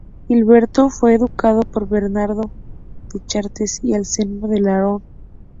Gilberto fue educado por Bernardo de Chartres y Anselmo de Laon.